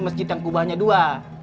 masjid yang kubahnya dua